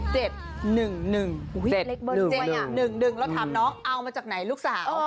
แล่าถามน้องเอามาจากไหนลูกสาว